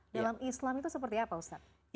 dalam islam itu seperti apa ustadz